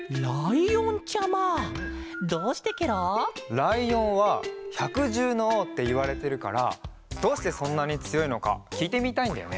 ライオンは「ひゃくじゅうのおう」っていわれてるからどうしてそんなにつよいのかきいてみたいんだよね。